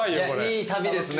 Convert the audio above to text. いい旅ですね。